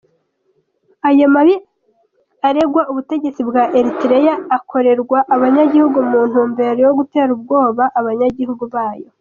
Ayo mabi aregwa ubutegetsi bwa Eritreya akorerwa abanyagihugu mu ntumbero yo guter'ubwobaabanyagihugu bayo.